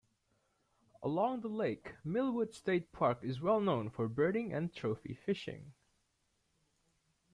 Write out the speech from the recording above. Along the lake, Millwood State Park is well known for birding and trophy fishing.